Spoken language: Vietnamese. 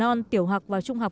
trường tiểu học và trung học